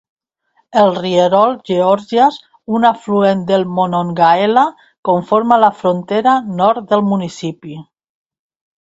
El rierol Georges, un afluent del Monongahela, conforma la frontera nord del municipi.